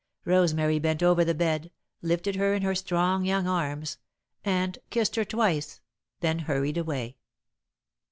Rosemary bent over the bed, lifted her in her strong young arms, and kissed her twice, then hurried away.